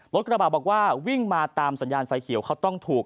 กระบาดบอกว่าวิ่งมาตามสัญญาณไฟเขียวเขาต้องถูก